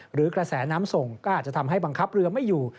กระแสน้ำส่งก็อาจจะทำให้บังคับเรือไม่อยู่